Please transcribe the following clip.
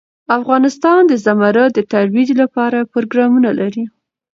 افغانستان د زمرد د ترویج لپاره پروګرامونه لري.